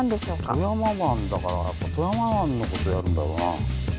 富山湾だからやっぱ富山湾のことやるんだろうな。